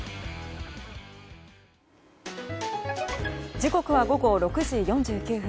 時刻は午後６時４９分。